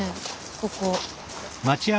ここ。